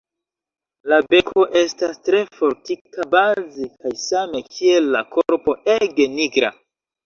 La beko estas tre fortika baze kaj same kiel la korpo ege nigra.